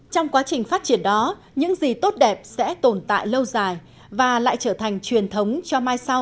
trong quá trình phát triển đó những gì tốt đẹp sẽ tồn tại lâu dài và lại trở thành truyền thống cho mai sau